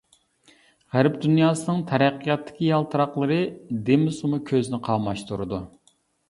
غەرب دۇنياسىنىڭ تەرەققىياتتىكى «يالتىراقلىرى» دېمىسىمۇ كۆزنى قاماشتۇرىدۇ.